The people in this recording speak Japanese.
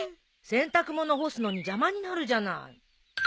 洗濯物干すのに邪魔になるじゃない。